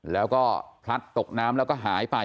แล้วก็พลัดตกน้ำแล้วก็หายไป